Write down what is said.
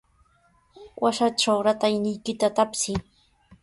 Washatraw ratayniykita tapsiy.